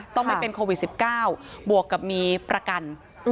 ต้องไม่เป็นโควิด๑๙บวกกับมีประกัน